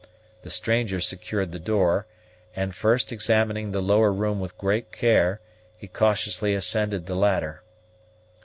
The stranger secured the door; and, first examining the lower room with great care, he cautiously ascended the ladder.